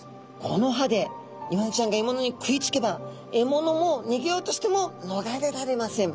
この歯でイワナちゃんがえものに食いつけばえものもにげようとしてものがれられません。